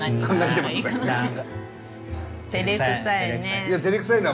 てれくさいね。